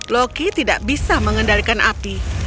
loki tidak bisa mengendalikan api